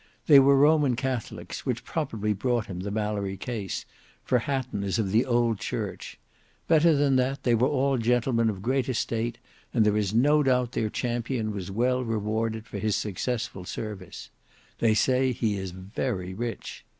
They were Roman Catholics, which probably brought him the Mallory case, for Hatton is of the old church; better than that, they were all gentlemen of great estate, and there is no doubt their champion was well rewarded for his successful service. They say he is very rich.